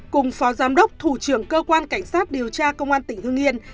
cùng phó giám đốc thủ trưởng cơ quan cảnh sát điều tra công an tỉnh hương yên